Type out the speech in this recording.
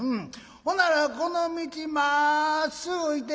ほならこの道まっすぐ行てくれ」。